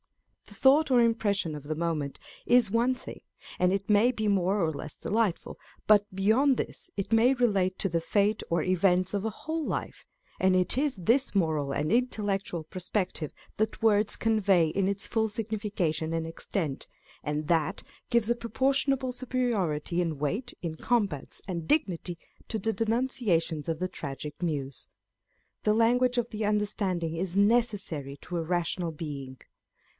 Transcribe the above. The thought or impression of the moment is one thing, and it may be more or less delightful ; but beyond this, it may relate to the fate or events of a whole life, and it is this moral and intellectual perspective that words convey in its full signification and extent, and that gives a proportionable superiority in weight, in compass, and dignity to the denunciations of the tragic Muse. The language of the understanding is necessary to a rational being.